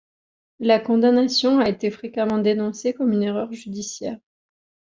La condamnation a été fréquemment dénoncée comme une erreur judiciaire.